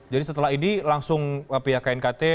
setelah ini langsung pihak knkt